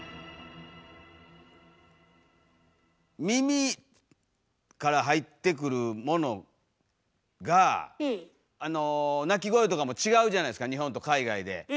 耳から入ってくるものがあの鳴き声とかも違うじゃないですか日本と海外で。